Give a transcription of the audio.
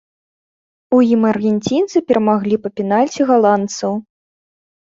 У ім аргенцінцы перамаглі па пенальці галандцаў.